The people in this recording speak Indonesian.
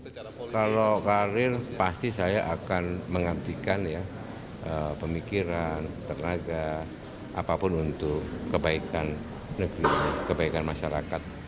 kalau karir pasti saya akan mengabdikan ya pemikiran tenaga apapun untuk kebaikan negeri kebaikan masyarakat